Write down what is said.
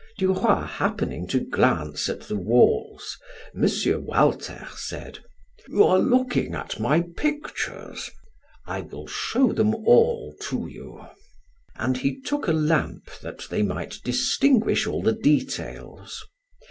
Duroy happening to glance at the walls, M. Walter said: "You are looking at my pictures? I will show them all to you." And he took a lamp that they might distinguish all the details.